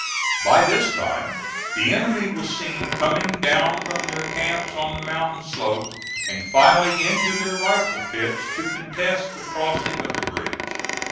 By this time the enemy was seen coming down from their camps on the mountain slope, and filing into their rifle pits to contest the crossing of the bridge.